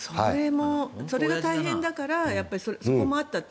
それが大変だからそれもあったという。